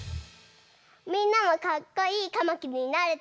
みんなもかっこいいかまきりになれた？